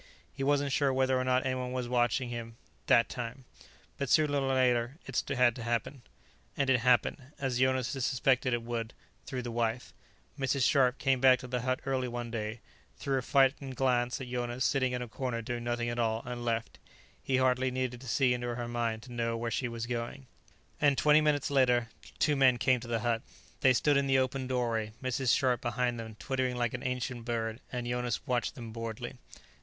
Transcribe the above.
He wasn't sure whether or not anyone was watching him, that time. But sooner or later it had to happen. And it happened, as Jonas had suspected it would, through the wife. Mrs. Scharpe came back to the hut early one day, threw a frightened glance at Jonas sitting in a corner doing nothing at all, and left. He hardly needed to see into her mind to know where she was going. And twenty minutes later two men came to the hut. They stood in the opened doorway, Mrs. Scharpe behind them twittering like an ancient bird, and Jonas watched them boredly.